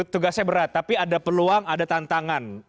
tugasnya berat tapi ada peluang ada tantangan